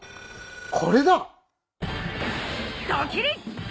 これだ！